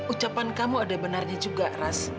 ucapan kamu ada benarnya juga ras